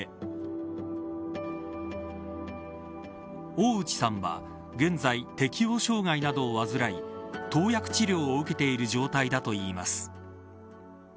大内さんは現在、適応障害など患い投薬治療を受けている状態だといいます。